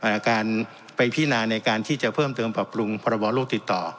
ในการไปพินาในการที่จะเพิ่มเติมปรับปรุงพรบโลกติดต่อ